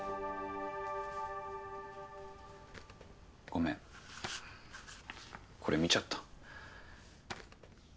ごめんこれ見ちゃった。